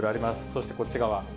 そしてこっち側。